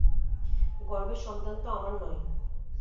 গর্ভের সন্তান তো আমার নয়।